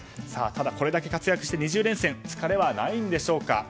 ただ、これだけ活躍して２０連戦疲れはないんでしょうか。